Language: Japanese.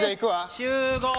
集合！